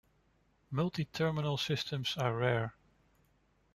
Multi-terminal systems are rare.